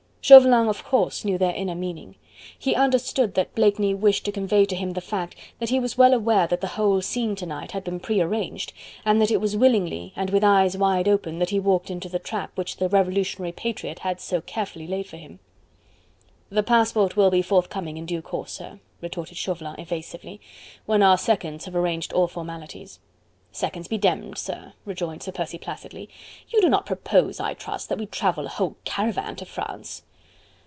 Chauvelin, of course, knew their inner meaning: he understood that Blakeney wished to convey to him the fact that he was well aware that the whole scene to night had been prearranged, and that it was willingly and with eyes wide open that he walked into the trap which the revolutionary patriot had so carefully laid for him. "The passport will be forthcoming in due course, sir," retorted Chauvelin evasively, "when our seconds have arranged all formalities." "Seconds be demmed, sir," rejoined Sir Percy placidly, "you do not propose, I trust, that we travel a whole caravan to France."